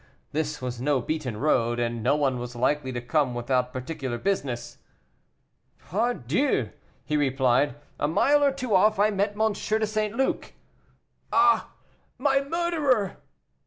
This was no beaten road, and no one was likely to come without particular business. "Pardieu!" he replied, "a mile or two off I met M. de St. Luc " "Ah! my murderer."